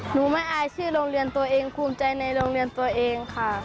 หนูไม่อายชื่อโรงเรียนตัวเองภูมิใจในโรงเรียนตัวเองค่ะ